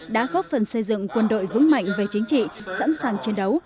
đã góp phần xây dựng quân đội vững mạnh về chính trị sẵn sàng chiến đấu